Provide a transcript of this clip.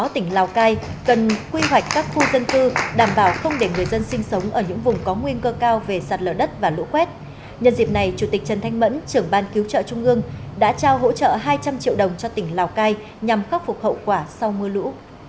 tỉnh lào cai cần quy hoạch các khu dân cư đảm bảo không để người dân sinh sống ở những vùng có nguyên cơ cao về sạt lở đất và lũ khuét nhân dịp này chủ tịch trần thanh mẫn trưởng ban cứu trợ trung ương đã trao hỗ trợ hai trăm linh triệu đồng cho tỉnh lào cai nhằm khắc phục hậu quả sau mưa lũ